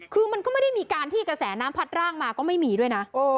คือมันก็ไม่ได้มีการที่กระแสน้ำพัดร่างมาก็ไม่มีด้วยนะ